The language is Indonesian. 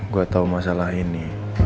gua tahu masalah ini